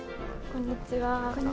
こんにちは。